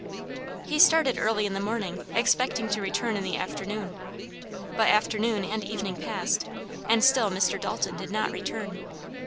He started early in the morning, expecting to return in the afternoon. But afternoon and evening passed, and still Mr. Dalton did not return.